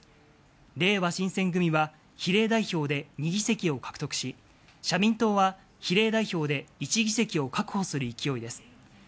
れいわ新選組は比例代表で２議席を獲得し、社民党は比例代表で１議席を確保する勢いです。